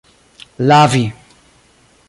lavi